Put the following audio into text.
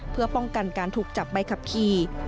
เพื่อป้องกันการถูกจับใบขับขี่